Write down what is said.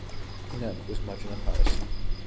მდინარე მტკვრის მარჯვენა მხარეს.